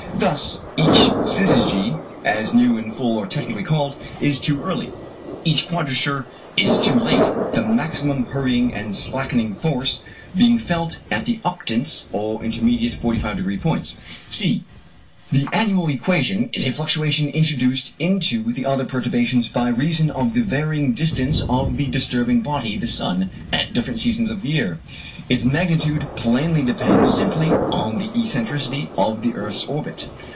Thus each syzygy (as new and full are technically called) is too early; each quadrature is too late; the maximum hurrying and slackening force being felt at the octants, or intermediate 45° points. (c) The "annual equation" is a fluctuation introduced into the other perturbations by reason of the varying distance of the disturbing body, the sun, at different seasons of the year. Its magnitude plainly depends simply on the excentricity of the earth's orbit.